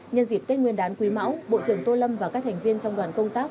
nhân dịp tết nguyên đán quý máu bộ trưởng tô lâm và các thành viên trong đoàn công tác